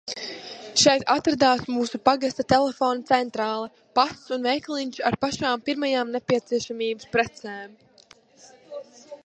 Šeit atradās mūsu pagasta telefona centrāle, pasts un veikaliņš ar pašām pirmajām nepieciešamības precēm.